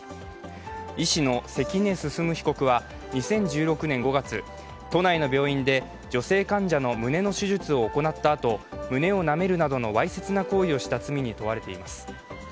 医師の関根進被告は２０１６年５月、都内の病院で女性患者の胸の手術を行ったあと胸をなめるなどのわいせつな行為をした罪に問われています。